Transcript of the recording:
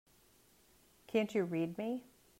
Can't you read me?